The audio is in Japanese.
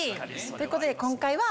ということで今回は。